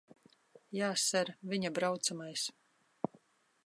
Jā, ser. Viņa braucamais.